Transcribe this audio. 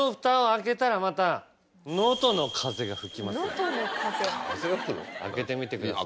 開けてみてください。